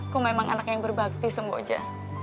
kau memang anak yang berbakti semuanya